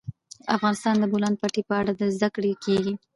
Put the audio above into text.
افغانستان کې د د بولان پټي په اړه زده کړه کېږي.